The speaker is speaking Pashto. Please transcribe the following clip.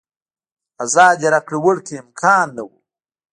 ازادې راکړې ورکړې امکان نه و.